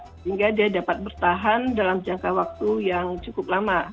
sehingga dia dapat bertahan dalam jangka waktu yang cukup lama